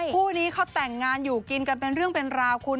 คู่นี้เขาแต่งงานอยู่กินกันเป็นเรื่องเป็นราวคุณ